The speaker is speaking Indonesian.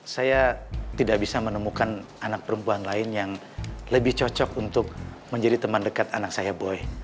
saya tidak bisa menemukan anak perempuan lain yang lebih cocok untuk menjadi teman dekat anak saya boy